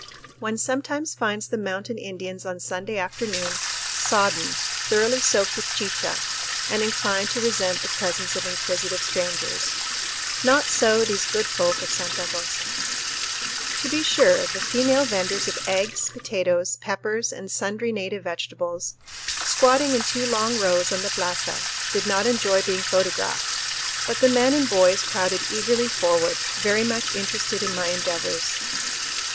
One sometimes finds the mountain Indians on Sunday afternoon sodden, thoroughly soaked with chicha, and inclined to resent the presence of inquisitive strangers; not so these good folk of Santa Rosa. FIGURE Indian Alcaldes at Santa Rosa FIGURE Native Druggists in the Plaza of Sicuani To be sure, the female vendors of eggs, potatoes, peppers, and sundry native vegetables, squatting in two long rows on the plaza, did not enjoy being photographed, but the men and boys crowded eagerly forward, very much interested in my endeavors.